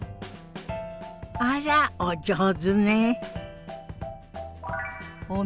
あらお上手ね。